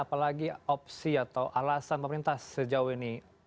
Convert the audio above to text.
apalagi opsi atau alasan pemerintah sejauh ini